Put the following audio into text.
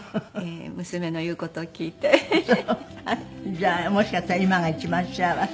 じゃあもしかしたら今が一番幸せ？